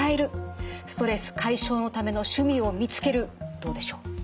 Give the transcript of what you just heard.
どうでしょう？